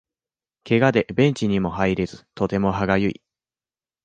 ケガでベンチにも入れずとても歯がゆい